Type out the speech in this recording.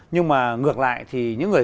nhưng mà ngược lại thì những người